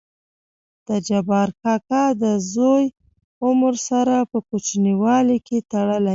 دجبار کاکا دزوى عمر سره په کوچينوالي کې تړلى.